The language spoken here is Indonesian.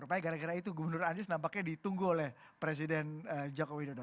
rupanya gara gara itu gubernur anies nampaknya ditunggu oleh presiden jokowi dodo